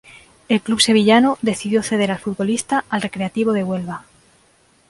El club sevillano decidió ceder al futbolista al Recreativo de Huelva.